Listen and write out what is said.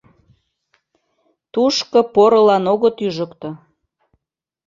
Тушко порылан огыт ӱжыктӧ.